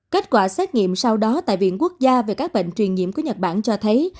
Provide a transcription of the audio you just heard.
kết quả xét nghiệm sau đó tại viện quốc gia về các bệnh truyền nhiễm của nhật bản cho thấy